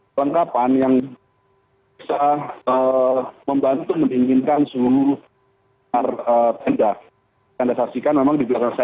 perlengkapan yang bisa membantu meningginkan seluruh tanda tanda yang anda saksikan memang di belakang sana